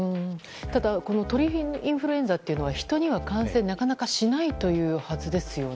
ただ、鳥インフルエンザは人にはなかなか感染しないというはずですよね。